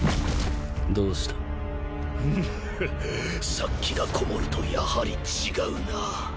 殺気がこもるとやはり違うな。